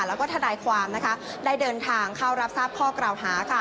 แล้วก็ทนายความได้เดินทางเข้ารับทราบข้อกล่าวหา